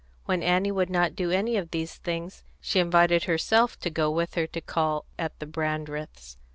When Annie would not do any of these things, she invited herself to go with her to call at the Brandreths'.